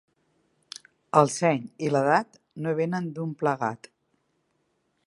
El seny i l'edat no venen d'un plegat.